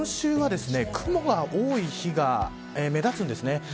今週は、雲が多い日が目立ちます。